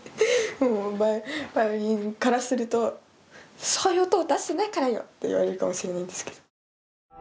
もうバイオリンからすると「そういう音を出してないからよ！」って言われるかもしれないんですけど。